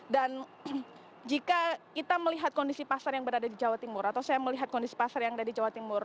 dan jika kita melihat kondisi pasar yang berada di jawa timur atau saya melihat kondisi pasar yang berada di jawa timur